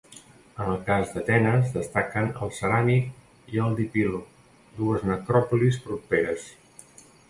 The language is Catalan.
En el cas d'Atenes destaquen el Ceràmic i el Dipilo, dues necròpolis properes.